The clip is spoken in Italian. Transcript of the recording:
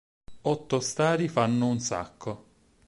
Otto stari fanno un sacco.